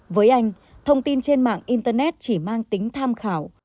với anh thông tin trên mạng internet chỉ mang tính tham khảo